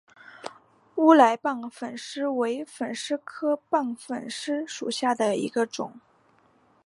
乌来棒粉虱为粉虱科棒粉虱属下的一个种。